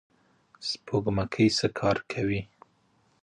سپوږمکۍ څه کار کوي؟